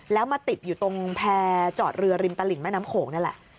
แล้วมาติดอยู่ตรงแพร่จอดเรือริมตลิ่งแม่น้ำโขงนั่นแหละ